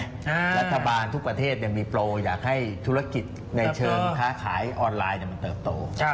รัฐบาลทุกประเทศมีโปรอยากให้ธุรกิจในเชิงค้าขายออนไลน์มันเติบโต